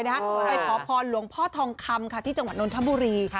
ไปขอพรหลวงพ่อทองคำค่ะที่จังหวัดนทบุรี